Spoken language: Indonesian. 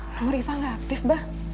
nomor iva nggak aktif bah